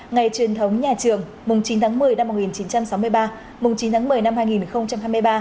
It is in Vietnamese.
ngày truyền thống nhà trường mùng chín tháng một mươi năm một nghìn chín trăm sáu mươi ba mùng chín tháng một mươi năm hai nghìn hai mươi ba